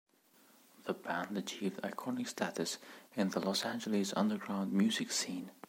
The band achieved iconic status in the Los Angeles underground music scene.